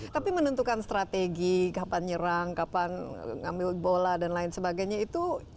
tapi menentukan strategi kapan nyerang kapan ngambil bola dan lain sebagainya itu